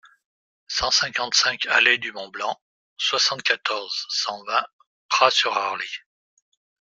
cent cinquante-cinq allée du Mont Blanc, soixante-quatorze, cent vingt, Praz-sur-Arly